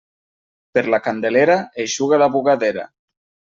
Per la Candelera, eixuga la bugadera.